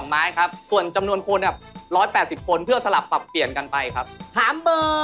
ถามเบอร์๒ครับครับผม